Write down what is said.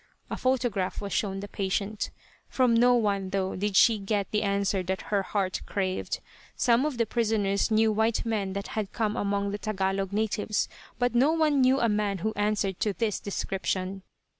(A photograph was shown the patient) From no one, though, did she get the answer that her heart craved. Some of the prisoners knew white men that had come among the Tagalog natives, but no one knew a man who answered to this description.